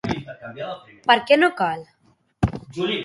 Per què no cal?